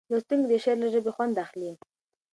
لوستونکی د شعر له ژبې خوند اخلي.